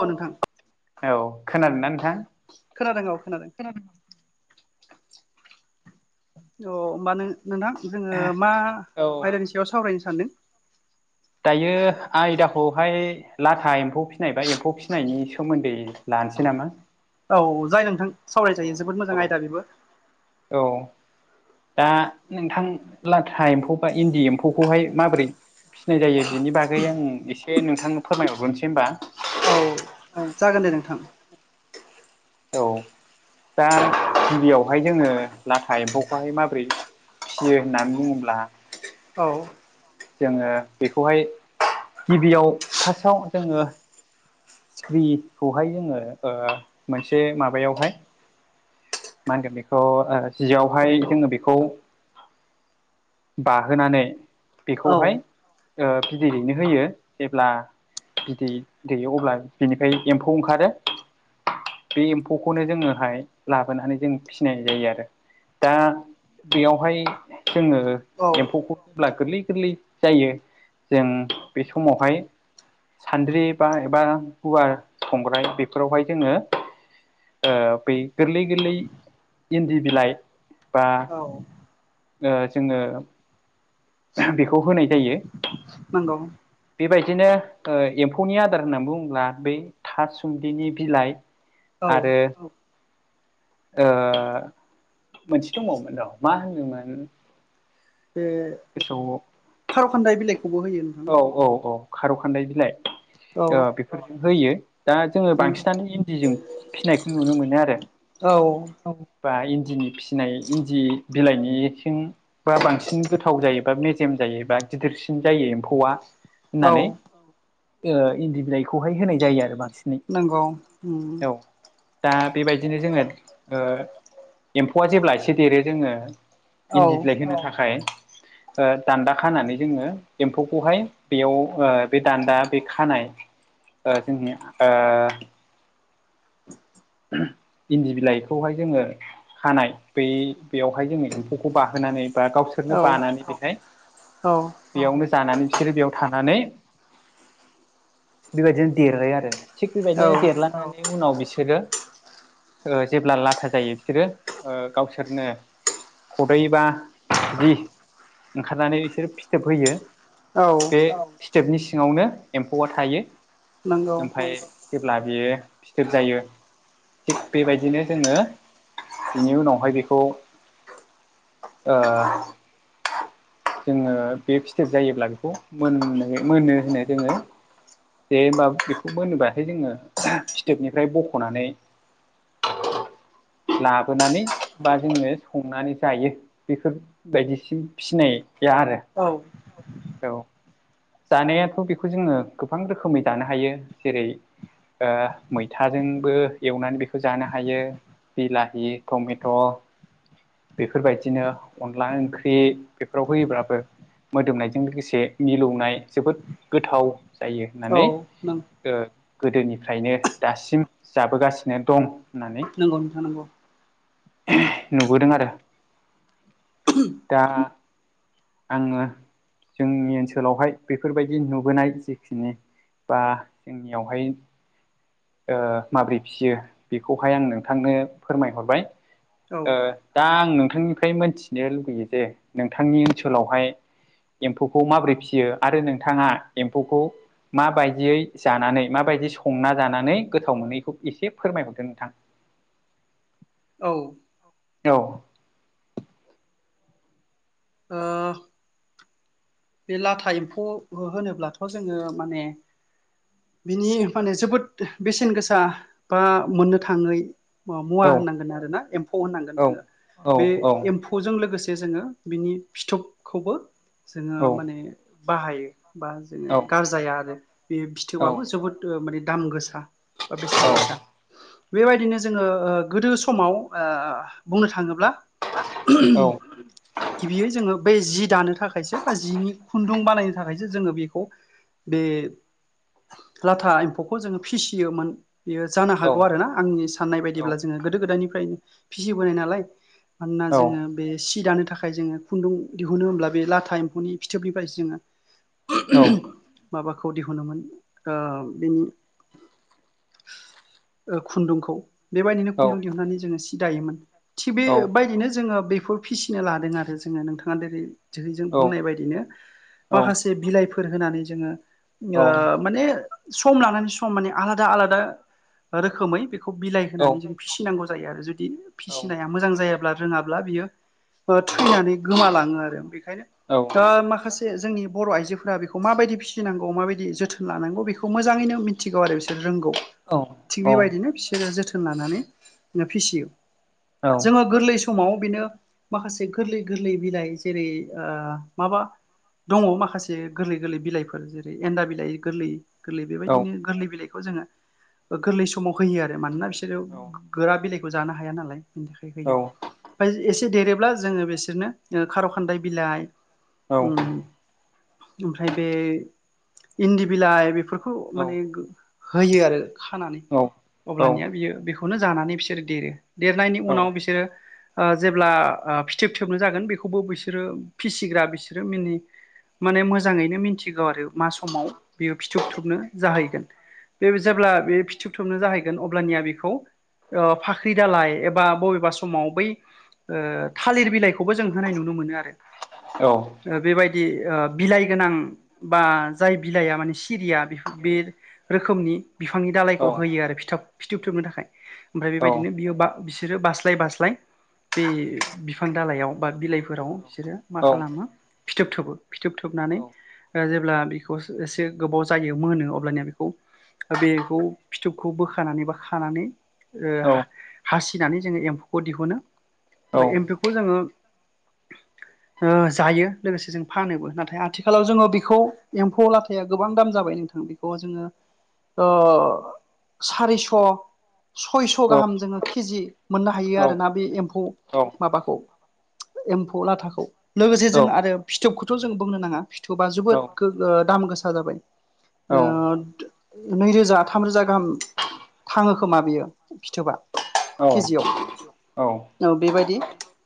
औ नोंथां औ खोनादोंना नोंथां खोनादों औ खोनादों। औ ओमबा नों नोंथां जोंङो मा औ आयदानि सा याव सावरायनो सानदों? दायो आयदाखौहाय लाथा एम्फौ फिनाय बा एम्फौ फिनायनि सोमोन्दै लानोसै नामा? औ जायो नोंथां सावरायजायो जोबोद मोजां आयदा बेबो। औ दा नोंथां लाथा एम्फौ बा इन्दि एम्फौखौहाय माब्रै फिनाय जायो बिनि बागै आं एसे नोंथांनो फोरमाय हरग्रोनोसै होमबा। औ जागोन दे नोंथां। औ दा गिबियावहाय जोङो लाथा एम्फौखौहाय माब्रै फियो होनना बुङोब्ला औ जोङो बेखौहाय गिबियाव फाष्टआव जोङो सिख्रिखौहाय जोङो ओ मोनसे माबायावहाय मा होनगोन बेखौ ओ जियावहाय जोङो बेखौ बाहोनानै औ बेखौहाय ओ बिदै दैनो होयो। जेब्ला बिदै दैयो अब्ला बिनिफ्राय एम्फौ ओंखारो बे एम्फौखौनो जोङोहाय लाबोनानै जों फिनाय जायो आरो। दा बेयावहाय जोङो औ एम्फौखौ जेब्ला गोरलै गोरलै जायो जों बे समावहाय सान्द्रि बा एबा गुवार संग्राय बेफोरावहाय जोङो ओ बै गोरलै गोरलै इन्दि बिलाइ बा औ ओ जोङो बेखौ होनाय जायो। नंगौ। बेबायदिनो ओ एम्फौनि आदार होननानै बुङोब्ला बै थासुम्लिनि बिलाइ औ आरो ओ मोनसे दंबावोमोन र' मा होनदोंमोन बे [unintelligible] खार'खान्दाय बिलाइखौबो होयो। नोंथां औ औ औ खार' खान्दाय बिलाय औ ओ बेफोर होयो दा जोङो नंगौ बांसिनानो इन्दिजों फिनायखौ नुनो मोनो आरो। औ बाहाय इन्दिनि फिनाय इन्दि बिलाइनिथिं बा बांसिन गोथाव जायोबा मेजेम जायोबा गिदिरसिन जायो एम्फौ औवा औ होनानै ओ इन्दि बिलाइ खौहाय होनाय जायो आरो बांसिनै, नंगौ औ। दा बेबायदिनो जोङो एम्फौआ ओ जेब्ला एसे देरो जोङो औ इन्दि बिलाइ होनो थाखाय ओ दान्दा खानानै जोङो एम्फौ खौहाय बेयाव बे दान्दा बे खानाय ओ जोंनि ओ इन्दि बिलाइखौहाय जोङो खानाय बै बेवहाय जोङो एम्फौखौ बाहोनानै बा गावसोर फोरनो औ बानानै बेहाय औ बेयावनो जानानै बिसोरो बेयाव थानानै बेबायदिनो देरो आरो थिग औ बेबायदिनो देरलांनानै उनाव बिसोरो ओ जेब्ला लाथा जायो बिसोरो ओ गावसोरनो खदै बा जि ओंखारनानै बिसोर फिथोब होयो। औ बै फिथोबनि सिङावनो एम्फौआ थायो नंगौ ओमफाय जेब्ला बेयो फिथोब जायो थिग बेबायदिनो जोङो बिनि उनावहाय बेखौ ओ जोङो बे फिथोब जायोब्ला बेखौ मोननो मोनहोनो जोङो बेे माबा बेखौ मोनबाथाय जोङो फिथोब निफ्राय बख'नानै लाबोनानै बा जोङो संनानै जायो बेफोर बायदिसि फिनाया आरो औ औ जानायाथ' बेखौ जोङो गोबां रोखोमै दानो हायो जेरै ओ मैथाजोंबो एवनानै बेखौ जानो हायो बिलाहि टमेट' बेफोरबायदिनो अनला ओंख्रि बेफोराव होयोब्लाबो मोदोमनायजों लोगोसे मिलौनाय जोबोद गोथाव जायो औ होननानै ओ गोदोनिफ्रायनो दासिम जाबोगासिनो दं होननानै नंगौ नोंथां नंगौ बोदों आरो दा आङो जोंनि ओनसोलावहाय बेफोरबायदि नुबोनाय जिखिनि बा जोंनियावहाय ओ माबोरै फियो बेखौहाय आं नोंथांनो फोरमायहरबाय औ ओ दा आं नोंथांनिफ्राय मोनथिनो लुगैयो जे नोंथांनि ओनसोलावहाय एम्फौखौ माबोरै फियो आरो नोंथाङा एम्फौखौ माबायदियै जानानै माबायदि संना जानानै गोथाव मोनो एखौ एसे फोरमायहरदों नोंथां औ औ ओ बे लाथा एम्फौ होनोब्लाथ' जोङो माने बिनि माने जोबोद बेसेन गोसा बा मोननो थाङै मुवा होननांगोन आरो ना एम्फौ होननांगोन औ जोङो औ बे एम्फौ खौ लोगोसे जोङो बिनि फिथोबखौबो जोङो औ माने बाहायो बा जोङो औ गार जाया आरो बे फिथोबाबो जोबोद ओ माने दाम गोसा बा बेसेन गोसा बेबायदिनो जोङो ओ गोदो समाव ओ बुंनो थाङोब्ला गिबियै जोङो बै जि दानो थाखायसो बा जिनि खुन्दुं बानायनो थाखायसो जोङो बेखौ बे लाथा एम्फौखौ जोङो फिसियोमोन बेयो जानो हागौ आरोना आंनि साननाय औ बायदिब्ला जोङो गोदो गोदायनिफ्रायनो फिसिबोनाय नालाय मानोना औ जोङो बे सि दानो थाखाय जोङो खुन्दुं दिहुनो होनब्ला बे लाथा एम्फौ ननि फिथोबनि बायदि जोङो औ माबाखौ दिहुनोमोन ओ बेनि ओ खुन्दुंखौ बेबायदिनो खुन्दुं दिहुननानै जोङो सि दायोमोन थिग औ बेबायदिनो जोङो बेफोर फिसिना लादों आरो जोङो नोंथाङा जेरै जों बुंनाय बायदिनो माखासे बिलाइ फोर होनानै जोङो ओ माने सम लानानै सम माने आलादा -आलादा रोखोमै बेखौ बिलाइ होनानै जों फिसिनांगौ जायो आरो जुदि फिसिनाया मोजां जायाब्ला रोङाब्ला बियो ओ थैनानै गोमालाङो आरो बेखायनो औ दा माखासे जोंनि बर' आइजोफोरा बेखौ माबायदि फिसिनांगौ माबायदि जोथोन लानांगौ बेखौ मोजाङैनो मि मिथिगौ आरो बिसोर रोंगौ थिग बेबायदिनो बिसोरो जोथोन लानानै फिसियोनो जोङो गोरलै समाव बेनो माखासे गोरलै -गोरलै बिलाइ जेरै ओ माबा दङ माखासे गोरलै -गोरलै बिलाइफोर जेरै एन्न्दा बिलाइ गोरलै गोरलै बेबायदिनो गोरलै बिलाइ बखौ जोङो गोरलै समाव होयो आरो मानोना बिसोरो गोरा बिलाइखौ जानो हाया नालाय ओमफ्राय एसे देरोब्ला जोङो बिसोरनो ओ खार' खान्दाय बिलाइ अम ओमफ्राय बे इन्दि बिलाइ बेफोर खौ माने होयो आरो खानानै अब्लानिया बियो बेखौ बेखौनो जानानै बिसोरो देरो देरनायनि उनाव बिसोरो ओ जेब्ला ओ फिथोब थोबनो जागोन बेखौबो बिसोरो फिसिग्रा बिसोरो मिनि माने मोजाङैनो मिन्थिगौ आरो मा समाव बेयो फिथोब थुबनो जाहैगोन बे जेब्ला बे फिथोब थोबनो जाहैगोन अब्लानिया बेखौ ओ फाख्रि दालाय एबा बबेबा समाव बै ओ थालिर बिलाइखौबो जों होनाय नुनो मोनो आरो औ ओ बेबायदि ओ बिलाइ गोनां बा जाय बिलाइया माने सिरिया बे रोखोमनि बिफांनि दालायखौ होयो आरो फिथाब फिथोब थोबनो थाखाय ओमफ्राय बेबायदिनो बियो बा बिसोरो बा स्लाय-बास्लाय बे बिफां दालायाव बा बिलाइफोराव बिसोरो मा खालामो फिथोब थोबो फिथोब थोबनानै ओ जेब्ला बेखौ एसे गोबाव जायो मोनो अब्लानिया बेखौ बेखौ फिथोबखौ बोखानानै बा खानानै ओ हासिनानै जोङो एम्फौखौ दिहुनो ओमफ्राय एम्फौखौ जोङो ओ जायो लोगोसे जों फानोबो नाथाय आथिखालाव जोङो बेखौ एम्फौ लाथाया गोबां दाम जाबाय नोंथां [unintelligible] ओ सारिस' सयस' गाहाम जोङो केजि मोननो हायो आरोना बे एम्फौ माबाखौ एम्फौ लाथाखौ लोगोसे जों आरो फिथोबखौथ' जों बुंनो नाङा थोबा जोबोद दाम गोसा जाबाय ओ नैरोजा थामरोजा गाहाम थाङो खोमा बियो फिथोबा केजिआव औ बेबायदि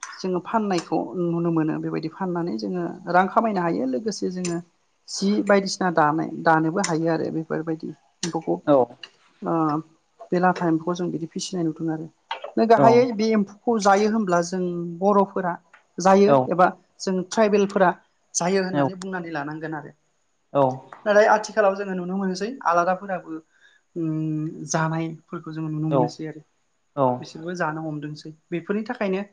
जोङो फाननायखौ नुनो मोनो बेबायदि बिदि फाननानै जोङो रां खामायनो हायो लोगोसे जोङो जि बायदिसिना दानाय दानोबो हायो आरो बेफोरबायदि एम्फौखौ ओ बे लाथा एम्फखौ जों बिदि फिसिनाय नुदों आरो गाहायै बे एम्फौखौ जायो होनब्ला जों बर'फोरा जायो एबा जों ट्राइबेलफोरा जायो होननानै बुंनानै लानांगोन आरो औ नाथाय आथिखालाव जोङो नुनो मोनसै आलादाफोराबो‌ अम जानाय फोरखौ जोङो नुनो मोनसै आरो बि बिसोरबो जानो हमदोंसै बेफोरनि थाखायनो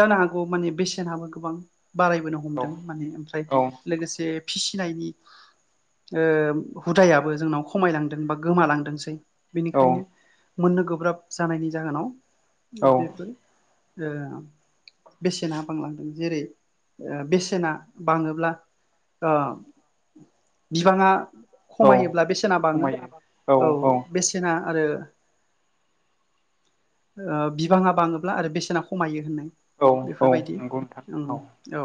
जानो हागौ माने बेसेनाबो गोबां बारायबो हम हमदों माने ओमफ्राय लोगोसे फिसिनायनि ओ हुदायाबो जोंनाव खमायलांदों बा गोमालांदोंसै बेनिखायनो औ मोननो गोब्राब जानायनि जाहोनाव औ बेफोर ओ बेसेना बांलांदों जेरै बेसेना बाङोब्ला ओ बिबाङा औ खमायोब्ला बेसेना बाङो औ बेसेना आरो ओ बिबाङा बाङोब्ला आरो बेसेना खमायो होनो औ औ बेफोरबायदि नंगौ नोंथां औ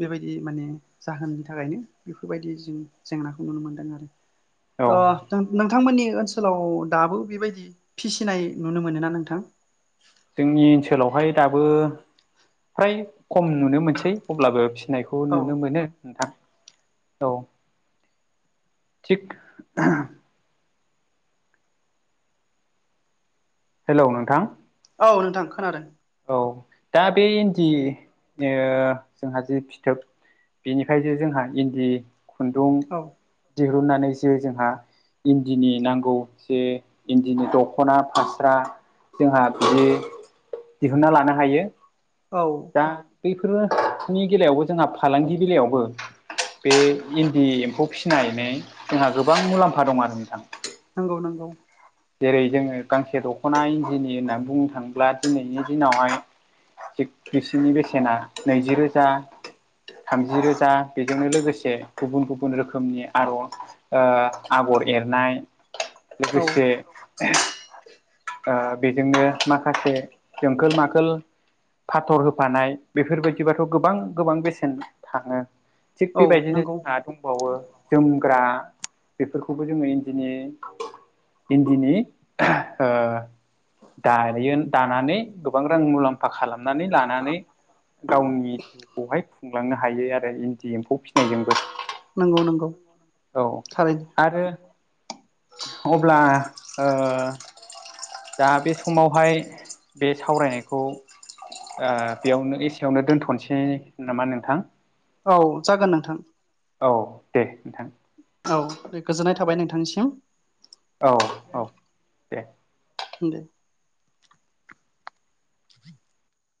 बेबायदि माने जाहोननि थाखायनो बेफोरबायदि जों जेंनाखौ नुनो मोनदों आरो औ ओ नोंथांमोननि ओनसोलाव दाबो बेबायदि फिसिनाय नुनो मोनो ना नोंथां जोंनि ओनसोलावहाय दाबो फ्राय खम नुनो मोनसै अब्लाबो फिसिनायखौ खौ औ नुनो मोनो नोंथां औ थिक हेलौ नोंथां औ नोंथां खोनादों औ दा बे इन्दि ओ जोंहा जि फिथोब बेनिफ्राय जे जोंहा इन्दि खुन्दुं औ दिहुननानैसो जोंहा इन्दिनि नांगौ जे इन्दिनि दख'ना फास्रा जोंहा बिदि दिहुनन्ना लानो हायो औ दा बैफोरनि बेलायावबो जोंहा फालांगि बेलायावबो बे इन्दि एम्फौ फिसिनानै जोंहा गोबां मुलाम्फा दं आरो नोंथां नंगौ नंगौ जेरै जोङो गांसे दख'ना इन्जिनि होननानै बुंनो थाङोब्ला दिनैनि दिनावहाय बिसिनि बेसेना नैजि रोजा थामजि रोजा बेजोंनो लोगोसे गुबुन गुबुन रोखोमनि आर' आगर एरनाय औ लोगोसे बेजोंनो माखासे जोंखोल माखोल फाथर होफानाय बेफोरबायदिबाथ' गोबां गोबां बेसेन थाङो थिग औ बेबायदिनो नंगौ जोंहा दंबावो जोमग्रा बेफोरखौबो जोङो इन्दिनि इन्दिनि ओ दायो दानानै गोबां रां मुलाम्फा सफा खालामनानै लानानै गावनि जिउखौहाय खुंलांनो हायो आरो इन्दि एम्फौ फिसिनायजोंबो नंगौ नंगौ औ थारैनो आरो अब्ला ओ दा बे समावहाय बे सावरायनायखौ बेयावनो एसेयावनो दोनथ'नोसैनामा नोंथां औ जागोन नोंथां औ दे नोंथां औ गोजोननाय दे। थाबाय नोंथांनिसिम औ औ दे ो